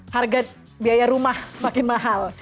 harga biaya rumah makin mahal